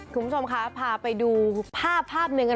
คุณผู้ชมคะพาไปดูภาพภาพหนึ่ง